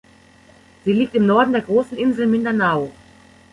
Sie liegt im Norden der großen Insel Mindanao.